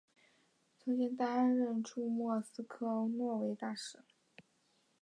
曾经担任驻莫斯科挪威大使。